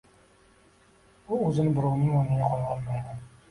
U o‘zini birovning o‘rniga qo‘ya olmaydi